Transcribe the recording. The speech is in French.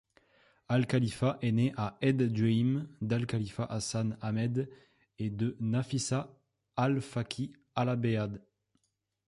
Al-Khalifa est né à Ed Dueim d'Al-Khalifa Hassan Ahmed et de Nafisa Al-Fakki Alabead.